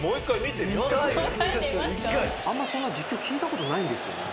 あんまそんな実況聞いたことないんですよね。